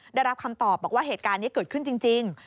ได้รับคำตอบบอกว่าเหตุการณ์นี้เกิดขึ้นจริง